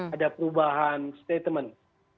ada perubahan statement